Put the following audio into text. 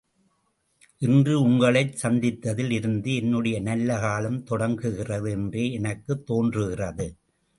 இன்று உங்களைச் சந்தித்ததில் இருந்து என்னுடைய நல்ல காலம் தொடங்குகிறது என்றே எனக்குத் தோன்றுகிறது.